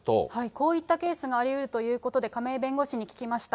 こういったケースがありうるということで、亀井弁護士に聞きました。